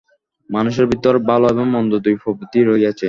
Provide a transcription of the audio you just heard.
মানুষের ভিতর ভাল এবং মন্দ দুই প্রবৃত্তিই রহিয়াছে।